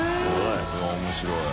い面白い。